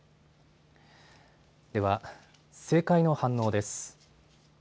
では政界の反応です。